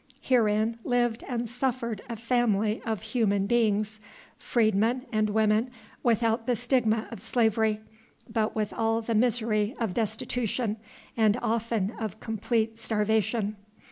Herein lived and suffered a family of human beings freedmen and women without the stigma of slavery, but with all the misery of destitution and often of complete starvation.